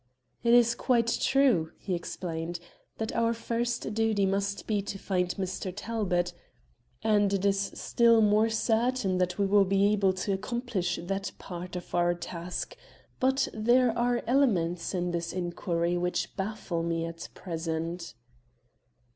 "It is quite true," he explained, "that our first duty must be to find Mr. Talbot, and it is still more certain that we will be able to accomplish that part of our task; but there are elements in this inquiry which baffle me at present."